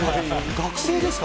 学生ですか？